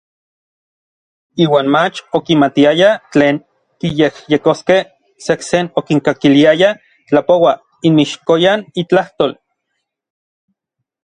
Iuan mach okimatiaya tlen kiyejyekoskej, sejsen okinkakiliayaj tlapouaj inmixkoyan intlajtol.